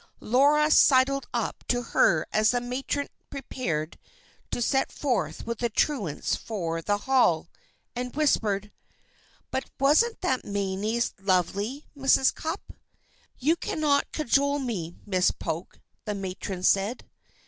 Laura sidled up to her as the matron prepared to set forth with the truants for the Hall, and whispered: "But wasn't that mayonnaise lovely, Mrs. Cupp?" "You cannot cajole me, Miss Polk," the matron said.